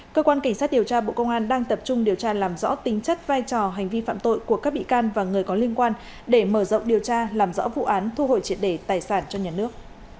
cơ quan cảnh sát điều tra bộ công an đang tập trung điều tra làm rõ tính chất vai trò hành vi phạm tội của các bị can và người có liên quan để mở rộng điều tra làm rõ vụ án thu hồi triệt đề tài sản cho nhà nước